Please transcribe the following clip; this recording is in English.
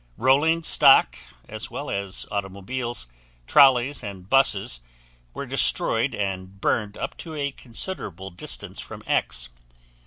Rolling stock, as well as automobiles, trolleys, and buses were destroyed and burned up to a considerable distance from X.